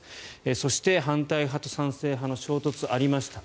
そして、反対派と賛成派の衝突がありました。